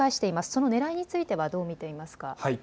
そのねらいについてはどう見ますか。